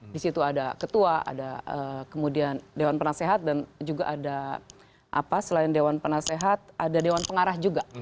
di situ ada ketua ada kemudian dewan penasehat dan juga ada selain dewan penasehat ada dewan pengarah juga